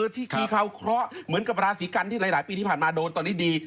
ที่เขาเคราะห์เหมือนกับราศีกันที่หลายปีที่ผ่านมาโดนตอนนี้ดี